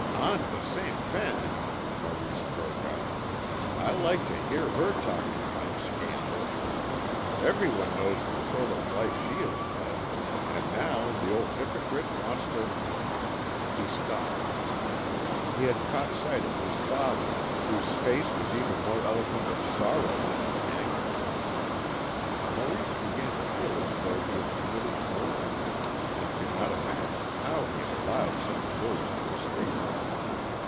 "Aunt de Saint Fain!" Maurice broke out. "I like to hear her talking about scandals! Everyone knows the sort of life she has led, and now the old hypocrite wants to " He stopped. He had caught sight of his father, whose face was even more eloquent of sorrow than of anger. Maurice began to feel as though he had committed murder, and could not imagine how he had allowed such words to escape him.